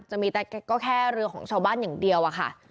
จะมีแต่ก็แค่เรือของชาวบ้านอย่างเดียวอะค่ะ